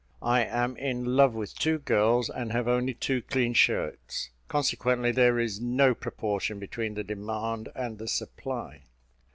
I am in love with two girls, and have only two clean shirts; consequently there is no proportion between the demand and the supply."